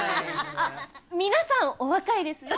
あっ皆さんお若いですよ。